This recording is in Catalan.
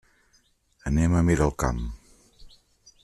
Anem a Miralcamp.